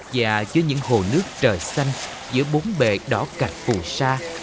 và giữa những hồ nước trời xanh giữa bốn bệ đỏ cạch phù sa